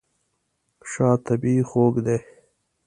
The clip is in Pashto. شات طبیعي خوږ دی.